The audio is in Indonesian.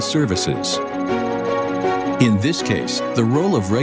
perusahaan interkoneksi interkoneksi dan interoperable